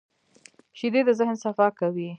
شیدې د ذهن صفا کوي